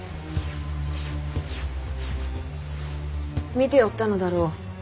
見ておったのだろう。